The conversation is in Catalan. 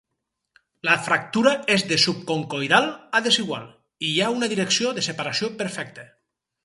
La fractura és de subconcoidal a desigual, i hi ha una direcció de separació perfecta.